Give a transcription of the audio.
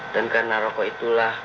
dan karena rokok itulah